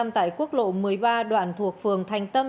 tại quốc lộ một mươi ba đoạn thuộc phường thành tâm